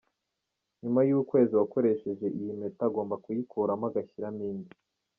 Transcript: Nyuma y’ukwezi, uwakoresheje iyi mpeta agomba kuyikuramo agashyiramo indi.